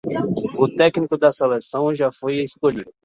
O técnico da seleção já foi escolhido